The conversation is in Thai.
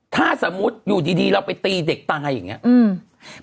ถ้าสมมุติอยู่ดีดีเราไปตีเด็กตายอย่างเงี้อืม